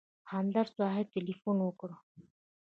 همدرد صاحب تیلفون وکړ.